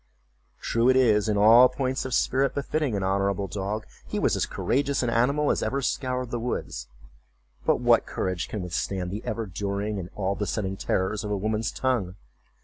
True it is, in all points of spirit befitting an honorable dog, he was as courageous an animal as ever scoured the woods—but what courage can withstand the ever during and all besetting terrors of a woman's tongue?